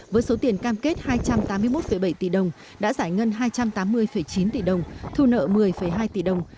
với số tiền cam kết hai trăm tám mươi một bảy tỷ đồng đã giải ngân hai trăm tám mươi chín tỷ đồng thu nợ một mươi hai tỷ đồng